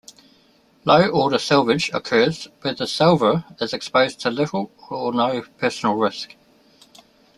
Low-order salvage occurs where the salvor is exposed to little or no personal risk.